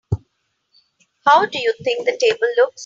How do you think the table looks?